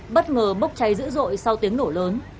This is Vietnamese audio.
bất ngờ bốc cháy dữ dội sau tiếng nổ lớn